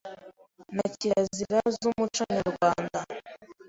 na kirazira z’umuco nyarwanda